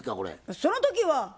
その時は。